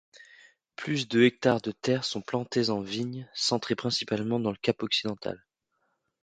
Plus de hectares de terre sont plantés en vignes, centrés principalement dans le Cap-Occidental.